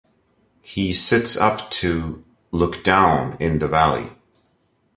He sits up to ... look down in the valley.